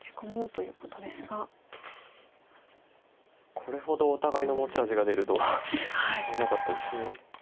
これほどお互いの持ち味が出るとは思わなかったです。